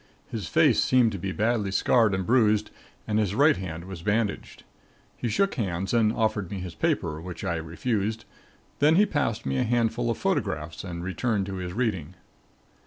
His face seemed to be badly scarred and bruised and his right hand was bandaged. He shook hands and offered me his paper, which I refused. Then he passed me a handful of photographs and returned to his reading.